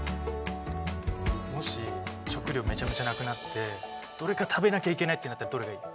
もし食糧めちゃめちゃなくなってどれか食べなきゃいけないってなったらどれがいい？